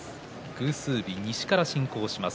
偶数日、西から進行です。